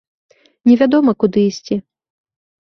Не вядома, куды ісці.